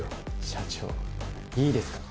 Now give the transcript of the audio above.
社長いいですか？